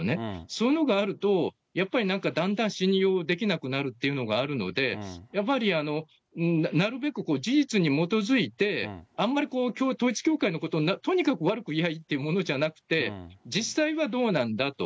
そういうのがあると、やっぱりなんかだんだん信用できなくなるっていうのがあるので、やっぱりなるべく事実に基づいて、あんまりこう、統一教会のことをとにかく悪く言えばいいってものじゃなくて、実際はどうなんだと。